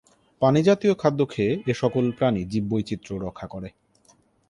পানিজাতীয় খাদ্য খেয়ে এ সকল প্রাণী জীববৈচিত্র্য রক্ষা করে।